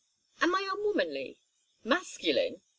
"Am I unwomanly? Masculine?"